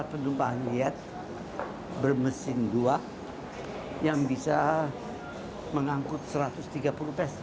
itu sudah selesai riset selesai burradorekiko komensal di awal